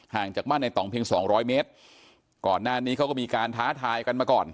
จากบ้านในต่องเพียงสองร้อยเมตรก่อนหน้านี้เขาก็มีการท้าทายกันมาก่อน